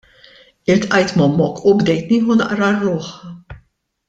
Iltqajt m'ommok u bdejt nieħu naqra r-ruħ.